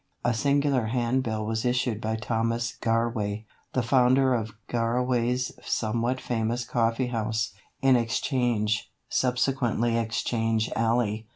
] A singular handbill was issued by Thomas Garway, the founder of Garraway's somewhat famous coffee house, in Exchange (subsequently Exchange alley).